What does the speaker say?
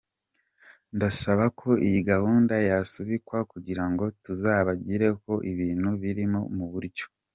Ndasaba ko iyi gahunda yasubikwa kugira ngo tuzabigarukeho ibintu biri mu buryo.